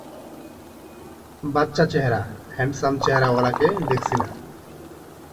বাচ্চা চেহারা, হ্যান্ডসাম চেহারাওয়ালাকে দেখছি না।